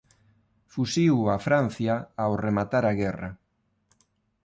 Fuxiu a Francia ao rematar a guerra.